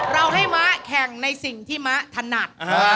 เราให้ม้าแข่งในสิ่งที่ม้าถนัด